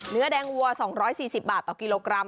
เนื้อแดงวัว๒๔๐บาทต่อกิโลกรัม